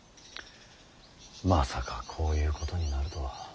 まさかこういうことになるとは。